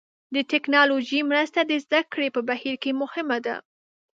د ټکنالوژۍ مرسته د زده کړې په بهیر کې مهمه ده.